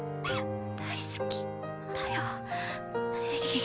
大好きだよエリー。